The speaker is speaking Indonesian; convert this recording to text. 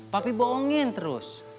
papi bohongin terus